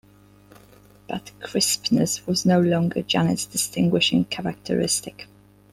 But crispness was no longer Janet’s distinguishing characteristic.